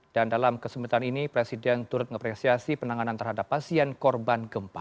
dan dalam kesempatan ini presiden turut mengapresiasi penanganan terhadap pasien korban gempa